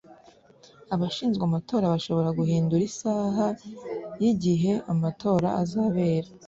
Abashinzwe amatora bashobora guhindura isaha yigihe amatora azabera